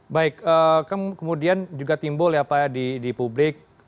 baik kan kemudian juga timbol ya pak ya di di publik